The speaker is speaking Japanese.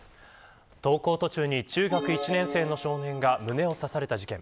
登校途中に中学１年生の少年が胸を刺された事件。